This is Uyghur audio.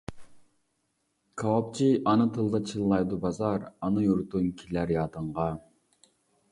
كاۋاپچى ئانا تىلدا چىللايدۇ بازار، ئانا يۇرتۇڭ كېلەر يادىڭغا.